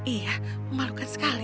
iya memalukan sekali